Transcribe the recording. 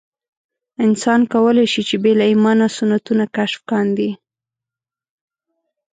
انسان کولای شي چې بې له ایمانه سنتونه کشف کاندي.